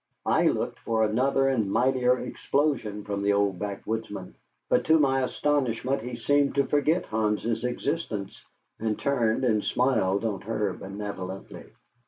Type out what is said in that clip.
I looked for another and mightier explosion from the old backwoodsman, but to my astonishment he seemed to forget Hans's existence, and turned and smiled on her benevolently.